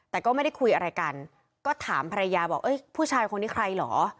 แต่ก็ไม่ได้คุยอะไรกันก็ถามภรรยาบอกเอ้ยผู้ชายคนนี้ใครเหรอ